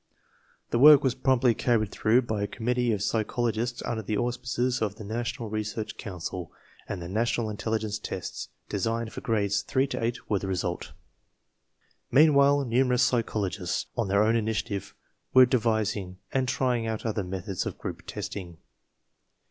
The work was promptly carried through by a committee of psy \ chologists under the auspices of the National Research Council, and the "National Intelligence Tests/ 5 de signed for Grades 3 to 8, were the result. Meanwhile numerous psychologists, on their own initiative, were devising and trying out other methods of group testing.